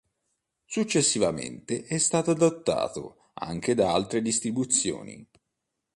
Successivamente è stato adottato anche da altre distribuzioni.